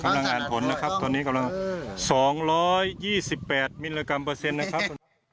อ่านผลนะครับตอนนี้กำลัง๒๒๘มิลลิกรัมเปอร์เซ็นต์นะครับ